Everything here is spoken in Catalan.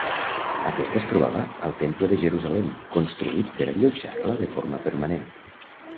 Aquesta es trobava al Temple de Jerusalem, construït per allotjar-la de forma permanent.